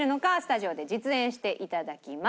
スタジオで実演して頂きます。